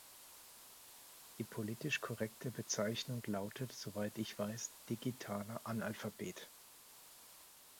Die politisch korrekte Bezeichnung lautet, soweit ich weiß, digitaler Analphabet.